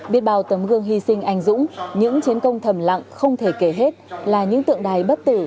biết bao tấm gương hy sinh anh dũng những chiến công thầm lặng không thể kể hết là những tượng đài bất tử